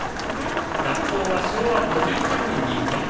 学校は昭和５３年に開校。